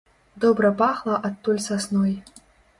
Добра пахла адтуль сасной.